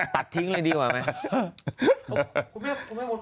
ตัดทิ้งเลยดีกว่าไหม